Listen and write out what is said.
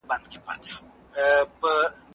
سالم ذهن اندیښنه نه پیدا کوي.